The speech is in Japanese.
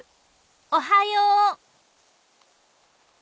おはよう！